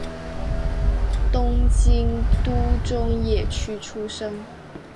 东京都中野区出生。